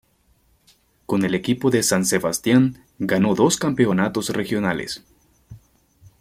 Con el equipo de San Sebastián ganó dos campeonatos regionales.